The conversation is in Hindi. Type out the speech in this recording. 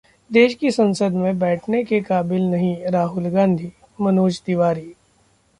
देश की संसद में बैठने के काबिल नहीं राहुल गांधी: मनोज तिवारी